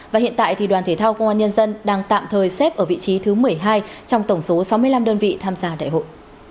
và hiện tại thì đoàn thể thao công an nhân dân đang tạm thời xếp ở vị trí thứ một mươi hai trong tổng số sáu mươi năm đơn vị tham gia đại hội